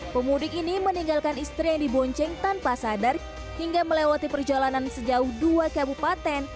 pemudik ini meninggalkan istri yang dibonceng tanpa sadar hingga melewati perjalanan sejauh dua kabupaten